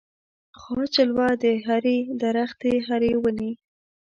خاص جلوه د هري درختي هري وني